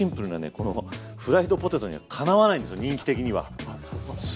このフライドポテトにはかなわないんですよ